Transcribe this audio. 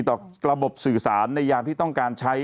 ต่อระบบสื่อสารในยามที่ต้องการใช้